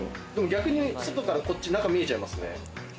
逆に外から中、見えちゃいますね。